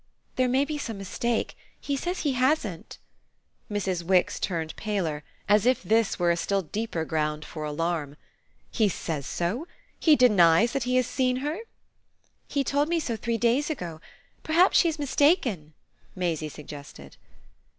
"There may be some mistake. He says he hasn't." Mrs. Wix turned paler, as if this were a still deeper ground for alarm. "He says so? he denies that he has seen her?" "He told me so three days ago. Perhaps she's mistaken," Maisie suggested.